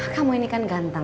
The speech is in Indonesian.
kamu ini kan ganteng